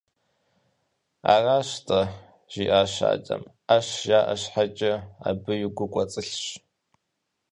– Аращ–тӀэ, – жиӀащ ди адэм, – Ӏэщ жаӀэ щхьэкӀэ, абыи гу кӀуэцӀылъщ.